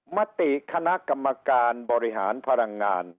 มติคณะกรรมการบริหารพลังงาน